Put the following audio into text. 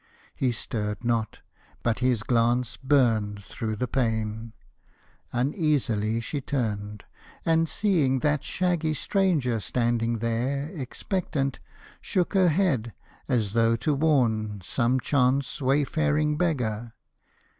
He stirred not, but his glance Burned through the pane; uneasily she turned, And seeing that shaggy stranger standing there Expectant, shook her head, as though to warn Some chance, wayfaring beggar.